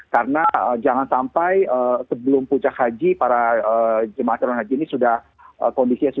karena jangan sampai sebelum kuncak haji para jemaah calon haji ini sudah kondisinya